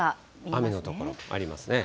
雨の所もありますね。